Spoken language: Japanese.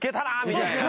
みたいな。